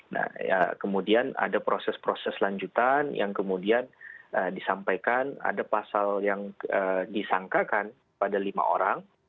nah ya kemudian ada proses proses lanjutan yang kemudian disampaikan ada pasal yang disangkakan pada lima orang